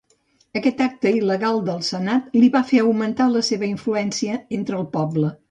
Aquest acte il·legal del senat li va fer augmentar la seva influència entre el poble.